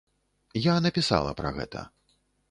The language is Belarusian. Я напісала пра гэта.